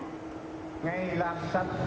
hãy đăng ký kênh để nhận thêm thông tin